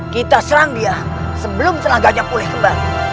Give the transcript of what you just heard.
kita serang dia sebelum telah gajah pulih kembali